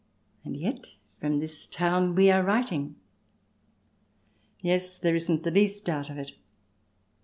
And yet from this town we are writing. Yes ; there isn't the least doubt of it.